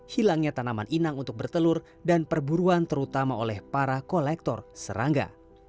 hilangnya tanaman inang untuk bertelur dan perburuan terutama oleh para kolektor serangga